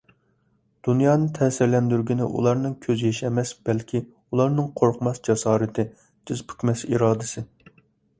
دۇنيانى تەسىرلەندۈرگىنى ئۇلارنىڭ كۆز يېشى ئەمەس، بەلكى ئۇلارنىڭ قورقماس جاسارىتى، تىز پۈكمەس ئىرادىسى.